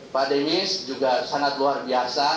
pak dewi juga sangat luar biasa